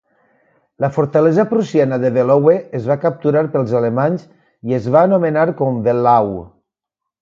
La fortalesa prussiana de Velowe es va capturar pels alemanys i es va anomenar com "Wehlau".